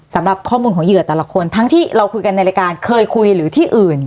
สำหรับข้อมูลของเหยื่อแต่ละคนทั้งที่เราคุยกันในรายการเคยคุยหรือที่อื่น